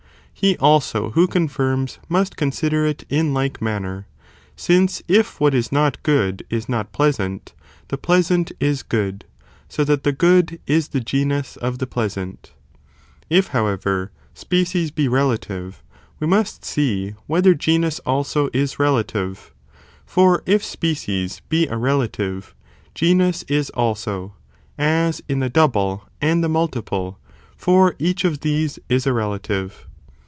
He also who confirms, must consider it in like manner, since if what is not good is not pleasant, the pleasant is good, so that the good is the genus of the pleasant. If however species be relative, we must see ton ty sek" «Whether genus also is relative, for if species be a tion, if species relative, genus is also, as in the double and the ye enue' 8 multiple, for each of these is a relative.